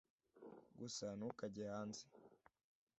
gusa ntukajye hanze